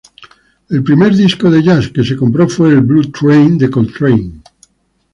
El primer disco de jazz que se compró fue el "Blue Train" de Coltrane.